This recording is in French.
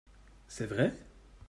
C’est vrai ?